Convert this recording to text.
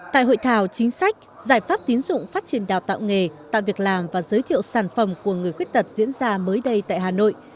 tại hội thảo chính sách giải pháp tín dụng phát triển đào tạo nghề tạo việc làm và giới thiệu sản phẩm của người khuyết tật diễn ra mới đây tại hà nội